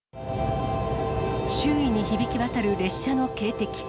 周囲に響きわたる列車の警笛。